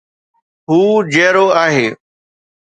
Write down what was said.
هو جيئرو آهي